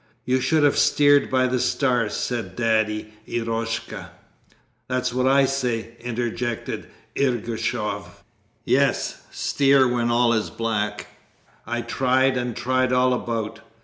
'You should have steered by the stars,' said Daddy Eroshka. 'That's what I say,' interjected Ergushov, 'Yes, steer when all is black; I tried and tried all about...